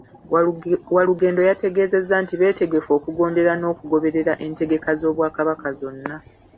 Walugendo yategeezezza nti beetegefu okugondera n’okugoberera entegeka z’Obwakabaka zonna.